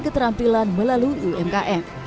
keterampilan melalui umkm